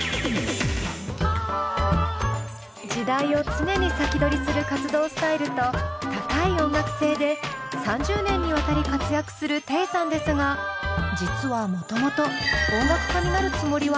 時代を常に先取りする活動スタイルと高い音楽性で３０年にわたり活躍するテイさんですが実はもともと音楽家になるつもりはなかったんだとか。